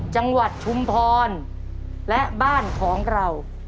จังหวัดชุมพรและบ้านของเรา